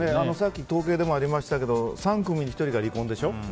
さっき、統計でもありましたが３組に１組が離婚でしょ。